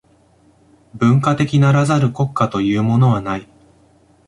文化的ならざる国家というものはない。